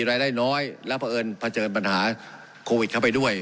รายได้น้อยแล้วเพราะเอิญเผชิญปัญหาโควิดเข้าไปด้วย